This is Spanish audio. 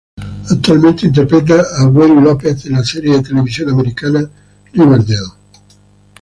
Actualmente interpreta a Gwen Lopez en la serie de televisión americana, Riverdale.